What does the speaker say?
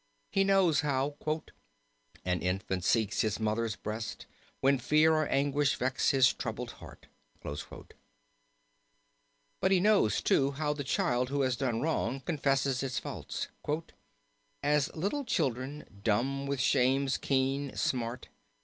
He knows how "An infant seeks his mother's breast When fear or anguish vex his troubled heart," but he knows too, how the child who has done wrong, confesses its faults. "As little children, dumb with shame's keen smart.